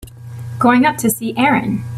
Going up to see Erin.